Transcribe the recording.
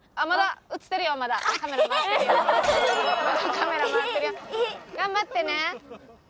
カメラ回ってるよ。頑張ってね。